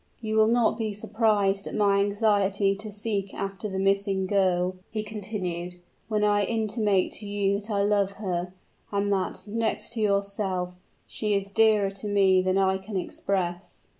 "You will not be surprised at my anxiety to seek after the missing girl," he continued, "when I intimate to you that I love her and that, next to yourself, she is dearer to me than I can express."